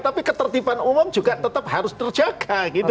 tapi ketertiban umum juga tetap harus terjaga gitu